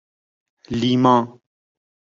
لیما